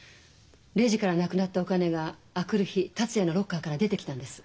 レジから無くなったお金が明くる日達也のロッカーから出てきたんです。